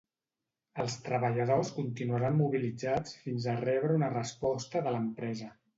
Els treballadors continuaran mobilitzats fins a rebre una resposta de l'empresa.